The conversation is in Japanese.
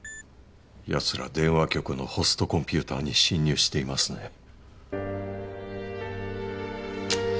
やつら電話局のホストコンピューターに侵入していますね。